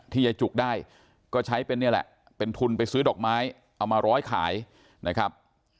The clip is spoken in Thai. ยายจุกได้ก็ใช้เป็นนี่แหละเป็นทุนไปซื้อดอกไม้เอามาร้อยขายนะครับ